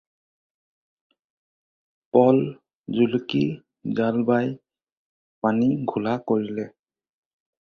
প'ল, জুলুকি, জাল বাই পানী ঘোলা কৰিলে।